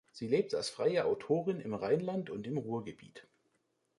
Sie lebt als freie Autorin im Rheinland und im Ruhrgebiet.